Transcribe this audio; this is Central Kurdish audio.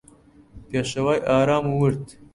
پێشەوای ئارام و ورد